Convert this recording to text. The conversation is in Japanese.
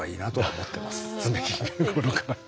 常日頃から。